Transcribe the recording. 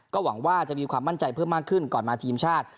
หวังว่าจะมีความมั่นใจเพิ่มมากขึ้นก่อนมาทีมชาติ